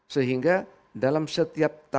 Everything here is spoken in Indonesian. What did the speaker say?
sehingga dalam setiap perhitungan